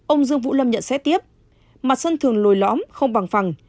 ông dương vũ lâm nhận xét tiếp mặt sân thường lồi lõm không bằng phẳng